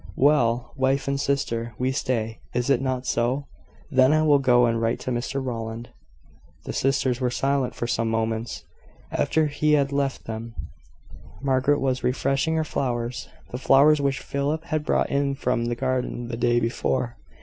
Well! wife and sister, we stay. Is it not so? Then I will go and write to Mr Rowland." The sisters were silent for some moments after he had left them. Margaret was refreshing her flowers the flowers which Philip had brought in from the garden the day before.